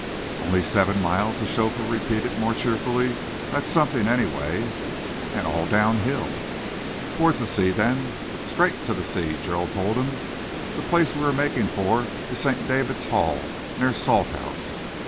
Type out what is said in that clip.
"Only seven miles," the chauffeur repeated more cheerfully. "That's something, anyway." "And all downhill." "Towards the sea, then?" "Straight to the sea," Gerald told him. "The place we are making for is St. David's Hall, near Salthouse."